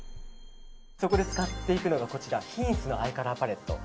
そこで使っていくのがヒンスのアイカラーパレット。